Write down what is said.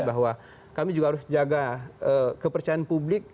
bahwa kami juga harus jaga kepercayaan publik